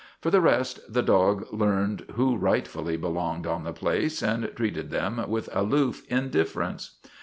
For the rest, the dog learned who rightfully belonged on the place and treated them with aloof indifference.